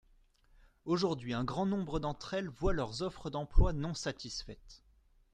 Aujourd’hui, un grand nombre d’entre elles voient leurs offres d’emploi non satisfaites.